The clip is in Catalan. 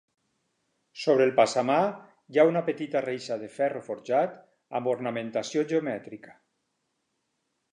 Sobre el passamà hi ha una petita reixa de ferro forjat amb ornamentació geomètrica.